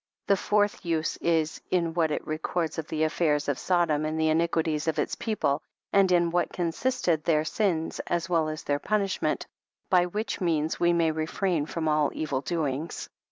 The fourth use is, in what it records of the affairs of Sodom and the iniquities of its people, and in what consisted their sins, as well as their punishment, by which means we may refrain from all evil doings.